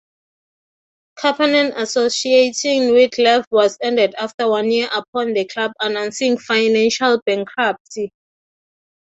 Kapanen association with Lev was ended after one-year upon the club announcing financial bankruptcy.